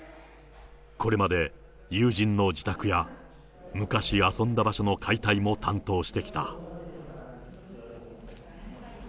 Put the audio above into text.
これまで、友人の自宅や昔遊んだ場所の解体も担当してきた。